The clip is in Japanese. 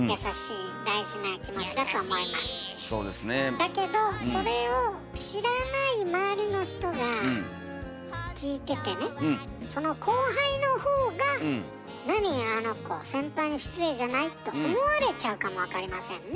だけどそれを知らない周りの人が聞いててねその後輩のほうが「なにあの子先輩に失礼じゃない？」と思われちゃうかもわかりませんね。